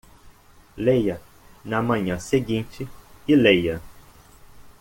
Leia na manhã seguinte e leia